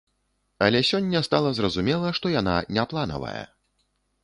Але сёння стала зразумела, што яна не планавая.